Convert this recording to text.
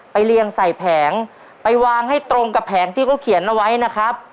เรียงใส่แผงไปวางให้ตรงกับแผงที่เขาเขียนเอาไว้นะครับ